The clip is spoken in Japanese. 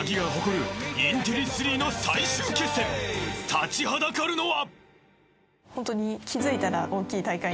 ［立ちはだかるのは］